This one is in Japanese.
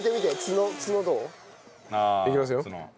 いきますよ。